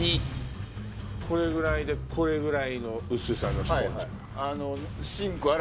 これぐらいでこれぐらいの薄さのスポンジ。